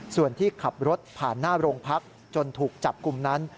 ส่วนที่ขับรถผ่านหน้าโรงพักจนถูกจับกลุ่มนั้น